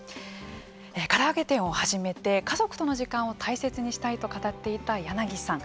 から揚げ店を始めて家族との時間を大切にしたいと語っていた柳さん。